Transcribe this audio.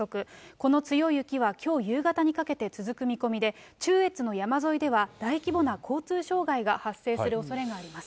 この強い雪はきょう夕方にかけて続く見込みで、中越の山沿いでは大規模な交通障害が発生するおそれがあります。